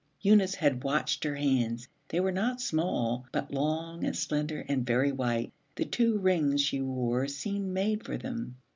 Eunice had watched her hands. They were not small, but long and slender and very white; the two rings she wore seemed made for them.